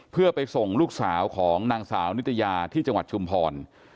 เพื่อไปส่งลูกสาวของนางสาวนิตยาที่จังหวัดชุมพร